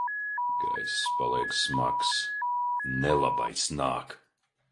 Gaiss paliek smags. Nelabais nāk!